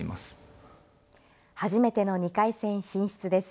初めての２回戦進出です。